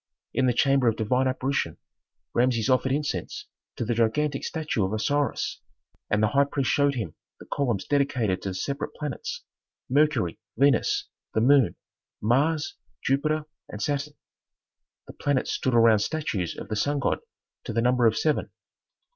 In the chamber of "divine apparition" Rameses offered incense to the gigantic statue of Osiris, and the high priest showed him the columns dedicated to the separate planets: Mercury, Venus, the moon, Mars, Jupiter, and Saturn. The planets stood around statues of the sun god to the number of seven.